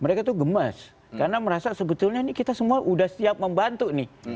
mereka tuh gemes karena merasa sebetulnya ini kita semua sudah siap membantu nih